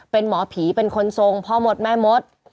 เป็นหมอผีเป็นคนทรงพ่อมดแม่มด